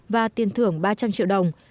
và tiền thưởng ba trăm linh triệu đồng